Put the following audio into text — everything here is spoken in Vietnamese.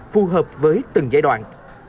phù hợp với từng giai đoạn